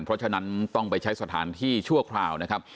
เพราะฉะนั้นต้องไปใช้สถานที่ชั่วคราวนะครับ